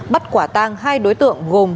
bắt quả tang hai đối tượng gồm